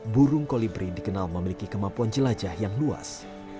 burung kolibri dikenal memiliki kemampuan jelajah yang luas